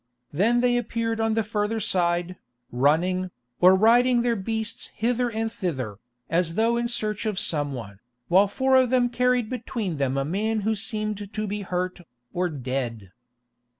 Then they appeared on the further side, running, or riding their beasts hither and thither, as though in search of some one, while four of them carried between them a man who seemed to be hurt, or dead.